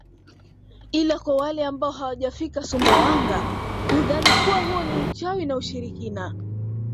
Ila kwa wale ambao hawajafika Sumbawanga hudhani kuwa huo ni uchawi na ushirikina